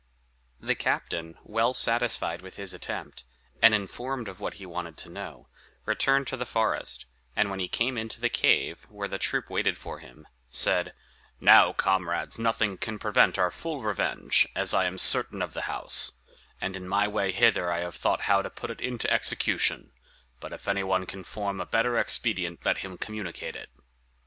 The captain, well satisfied with his attempt, and informed of what he wanted to know, returned to the forest; and when he came into the cave, where the troop waited for him, said, "Now, comrades, nothing can prevent our full revenge, as I am certain of the house; and in my way hither I have thought how to put it into execution, but if any one can form a better expedient, let him communicate it."